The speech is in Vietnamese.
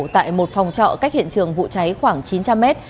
tại một phòng chọ cách hiện trường vụ cháy khoảng chín trăm linh m